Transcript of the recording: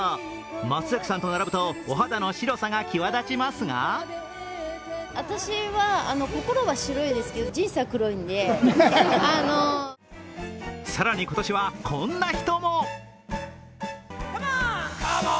松崎さんと並ぶとお肌の白さが際立ちますが更に、今年はこんな人も。